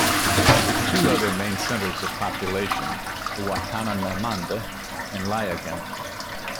The two other main centres of population are Wapenamanda and Laiagam.